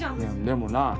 でもな。